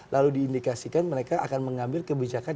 lalu diindikasikan mereka akan mengambil kebijakan